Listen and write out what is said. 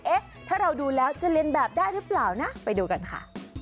เอ๊ะถ้าเราดูแล้วจะเรียนแบบได้หรือเปล่านะไปดูกันค่ะ